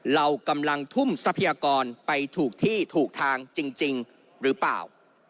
เรากำลังทุ่มทรัพยากรไปถูกที่ถูกทางจริงหรือเปล่า